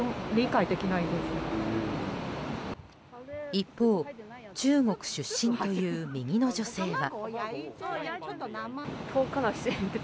一方、中国出身という右の女性は。